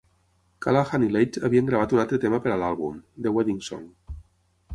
Callaghan i Leitch havien gravat un altre tema per a l'àlbum, "The Wedding Song".